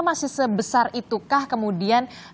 masih sebesar itukah kemudian